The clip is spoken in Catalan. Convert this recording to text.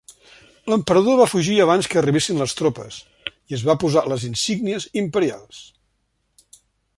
L'emperador va fugir abans que arribessin les tropes i es va posar les insígnies imperials.